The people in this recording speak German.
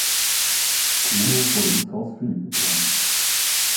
Bruno wurde in „South Philly“ geboren.